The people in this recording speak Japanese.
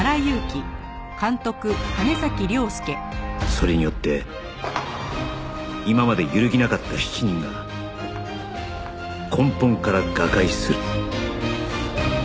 それによって今まで揺るぎなかった７人が根本から瓦解する